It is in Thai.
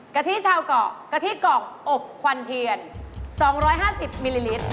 กะทิชาวเกาะกะทิเกาะอบควันเทียน๒๕๐มิลลิลิตร